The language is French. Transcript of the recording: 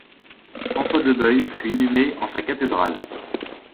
François de Bueil fut inhumé en sa cathédrale.